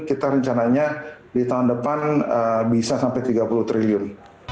kita rencananya di tahun depan bisa sampai tiga puluh triliun